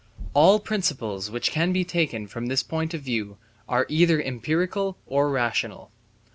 All principles which can be taken from this point of view are either empirical or rational.